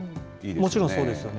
もちろんそうですよね。